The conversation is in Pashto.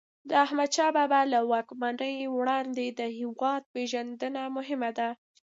د احمدشاه بابا له واکمنۍ وړاندې د هیواد پېژندنه مهم ده.